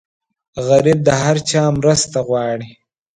غریب د هر چا مرسته غواړي